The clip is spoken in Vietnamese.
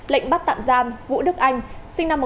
lệnh bắt tạm giam vũ đức anh sinh năm một nghìn chín trăm tám mươi